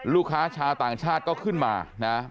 ลูกค้าชาวต่างชาติก็ขึ้นมานะ